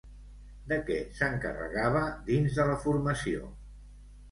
De què s'encarregava dins de la formació?